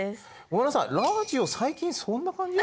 ごめんなさいラジオ最近そんな感じ？